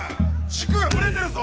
軸がぶれてるぞ！